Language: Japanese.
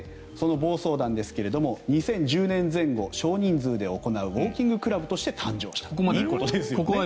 その暴走団ですが２０１０年前後、少人数で行うウォーキングクラブとして誕生した。